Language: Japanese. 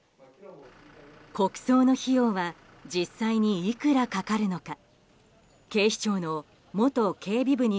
国葬の費用は実際にいくらかかるのか。